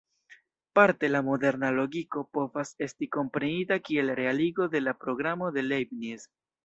Parte la "moderna logiko" povas esti komprenita kiel realigo de la programo de Leibniz.